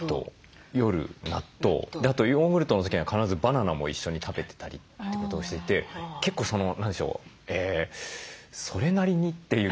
あとヨーグルトの時には必ずバナナも一緒に食べてたりってことをしていて結構何でしょうそれなりにっていう気もするんですけども。